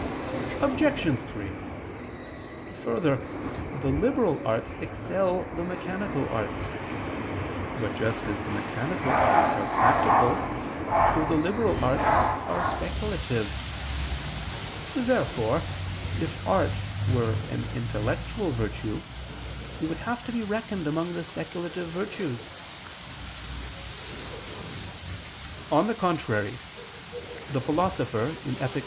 Obj. 3: Further, the liberal arts excel the mechanical arts. But just as the mechanical arts are practical, so the liberal arts are speculative. Therefore, if art were an intellectual virtue, it would have to be reckoned among the speculative virtues. On the contrary, The Philosopher (Ethic.